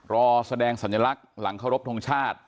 รอแสดงสัญลักษณ์หลังเคารพทงชาติ